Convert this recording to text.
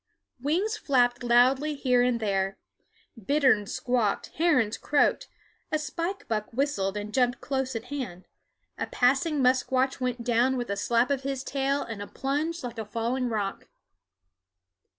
Wings flapped loudly here and there; bitterns squawked; herons croaked; a spike buck whistled and jumped close at hand; a passing musquash went down with a slap of his tail and a plunge like a falling rock.